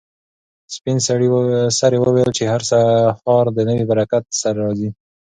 سپین سرې وویل چې هر سهار د نوي برکت سره راځي.